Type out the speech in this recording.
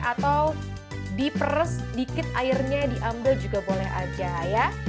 atau diperes dikit airnya diambil juga boleh aja ya